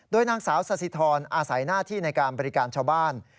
โดยนางสาวสสิทรอาศัยหน้าที่ในการบริการชาวบ้าน